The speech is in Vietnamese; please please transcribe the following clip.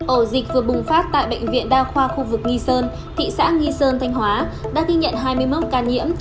ổ dịch vừa bùng phát tại bệnh viện đa khoa khu vực nghi sơn thị xã nghi sơn thanh hóa đã ghi nhận hai mươi một ca nhiễm